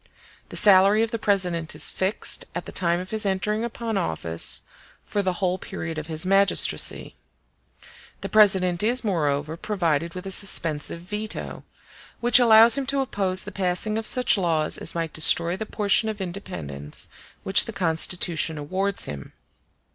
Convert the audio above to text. The salary of the President is fixed, at the time of his entering upon office, for the whole period of his magistracy. The President is, moreover, provided with a suspensive veto, which allows him to oppose the passing of such laws as might destroy the portion of independence which the Constitution awards him.